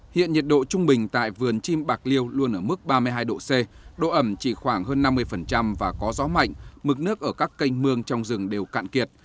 hiện nhiệt độ trung bình tại vườn chim bạc liêu luôn ở mức ba mươi hai độ c độ ẩm chỉ khoảng hơn năm mươi và có gió mạnh mực nước ở các canh mương trong rừng đều cạn kiệt